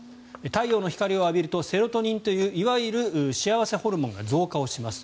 太陽の光を浴びるとセロトニンといういわゆる幸せホルモンが増加をします。